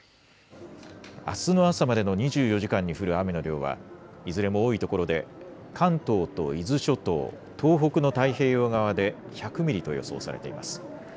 あすの朝までの２４時間に降る雨の量はいずれも多いところで関東と伊豆諸島、東北の太平洋側で１００ミリと予想されています。